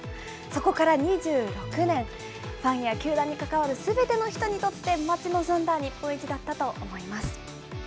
そこから２６年、ファンや球団に関わるすべての人にとって待ち望んだ日本一だったと思います。